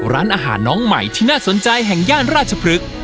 ร้านอาหารน้องใหม่ที่น่าสนใจแห่งย่านราชพฤกษ์